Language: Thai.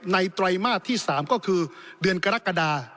ไตรมาสที่๓ก็คือเดือนกรกฎา